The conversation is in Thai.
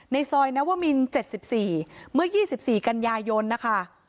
ในซอยนวมิน๗๔เมื่อ๒๔กันยายนนะคะ